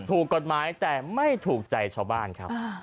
ถูกกฎหมายแต่ไม่ถูกใจชาวบ้านครับ